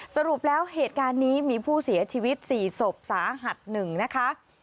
สรุปแล้วเหตุการณ์นี้มีผู้เสียชีวิต๔ศพสาหัส๑นะคะ